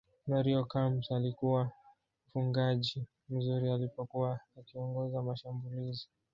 mario kempes alikuwa mfungaji mzuri alipokuwa akiongoza mashambulizi